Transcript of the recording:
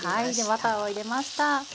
バターを入れました。